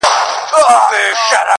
که مُلایان دي که یې چړیان دي،